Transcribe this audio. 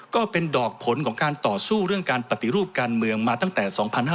ก็เป็นดอกผลของการต่อสู้เรื่องการปฏิรูปการเมืองมาตั้งแต่๒๕๕๙